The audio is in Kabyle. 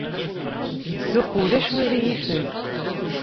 Zzux ulac wi ɣ-yifen.